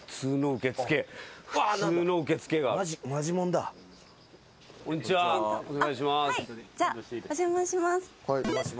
お邪魔します